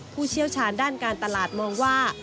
ผู้เชี่ยวชาญด้านการตลาดมองว่า